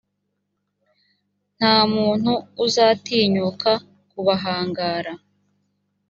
nta muntu uzatinyuka kubahangara;